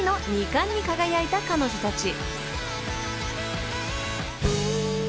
［２冠に輝いた彼女たち］